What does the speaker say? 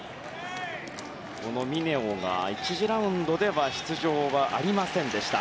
ミネオが１次ラウンドでは出場はありませんでした。